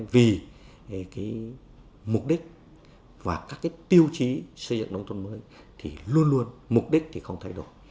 vì mục đích và các tiêu chí xây dựng nông thuân mới thì luôn luôn mục đích không thay đổi